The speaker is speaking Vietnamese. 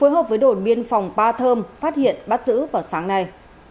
hợp với đồn biên phòng ba thơm phát hiện bắt giữ vào sáng nay